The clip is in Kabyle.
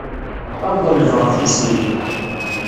Ad d-ḍelbeɣ afus-im.